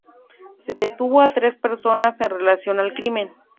Se detuvo a tres personas en relación al crimen.